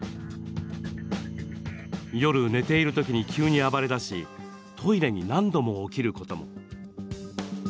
夜、寝ているときに急に暴れだしトイレに何度も起きることも。